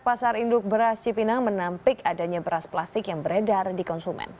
pasar induk beras cipinang menampik adanya beras plastik yang beredar di konsumen